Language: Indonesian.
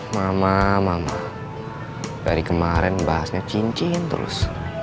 mama mama dari kemarin bahasnya cincin terus